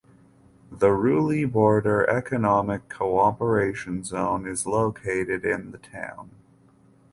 The Ruili Border Economic Cooperation Zone is located in the town.